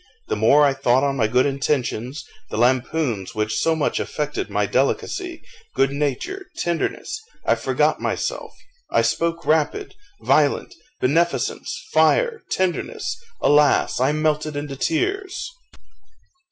The more I thought on my good intentions, the lampoons which so much affected my delicacy, good nature, tenderness I forgot myself I spoke rapid, violent beneficence fire tenderness alas! I melted into tears!